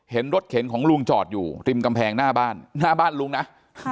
เห็นรถเข็นของลุงจอดอยู่ริมกำแพงหน้าบ้านหน้าบ้านลุงนะ